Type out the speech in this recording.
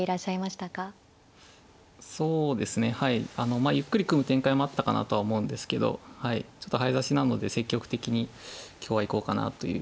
そうですねはいゆっくり組む展開もあったかなとは思うんですけどちょっと早指しなので積極的に今日は行こうかなという感じでしたね。